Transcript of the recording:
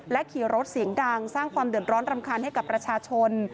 ขี่รถเสียงดังสร้างความเดือดร้อนรำคาญให้กับประชาชน